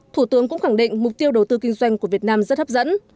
thủ tướng cũng khẳng định mục tiêu đầu tư kinh doanh của việt nam rất hấp dẫn